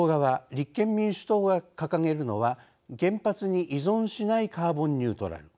立憲民主党が掲げるのは「原発に依存しないカーボンニュートラル」。